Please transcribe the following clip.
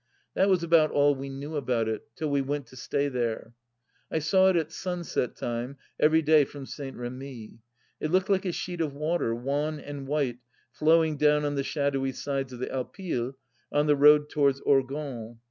That was about all we knew about it, till we went to stay there. ... I saw it at sunset time, every day from St. Remy. It looked like a sheet of water, wan and white, flowing down on the shadowy sides of the Alpilles, on the road towards Orgon.